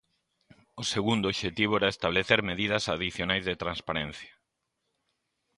O segundo obxectivo era establecer medidas adicionais de transparencia.